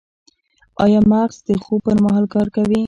ایا مغز د خوب پر مهال کار کوي؟